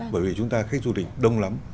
bởi vì chúng ta khách du lịch đông lắm